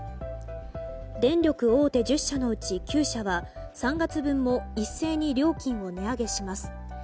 電力大手１０社のうち９社は３月分も一斉に料金を値上げします。